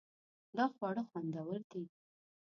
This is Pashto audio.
دا خواړه خوندور دي